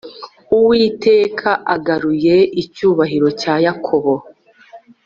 Uwiteka agaruye icyubahiro cya Yakobo.